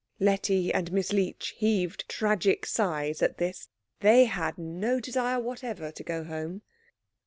Letty and Miss Leech heaved tragic sighs at this; they had no desire whatever to go home.